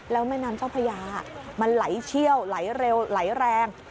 แล้วแม่น้ำเจ้าพระยามันไหลเชี่ยวไหลเร็วไหลแรง